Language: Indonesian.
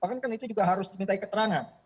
bahkan kan itu juga harus dimintai keterangan